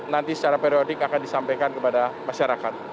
nanti secara periodik akan disampaikan kepada masyarakat